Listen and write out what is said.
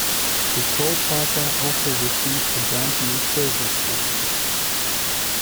The toll plaza also received a brand-new service building.